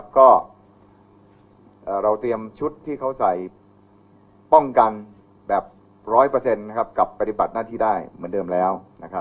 ก็เราเตรียมชุดที่เขาใส่ป้องกันแบบ๑๐๐กับปฏิบัติหน้าที่ได้เหมือนเดิมแล้ว